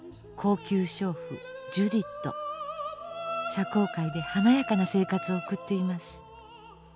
社交界で華やかな生活を送っています。